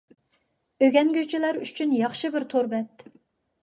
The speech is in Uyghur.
ئۆگەنگۈچىلەر ئۈچۈن ياخشى بىر تور بەت.